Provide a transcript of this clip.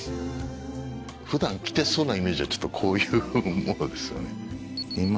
普段着てそうなイメージはこういうものですよね。